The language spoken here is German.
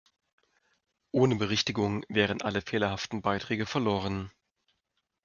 Ohne Berichtigung wären alle fehlerhaften Beiträge verloren.